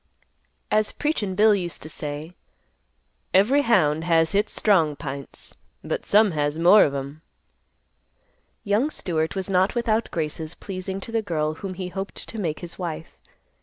As "Preachin' Bill" used to say, "Every hound has hits strong pints, but some has more of 'em." Young Stewart was not without graces pleasing to the girl whom he hoped to make his wife.